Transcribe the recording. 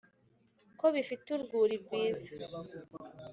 ko bifite urwuri rwiza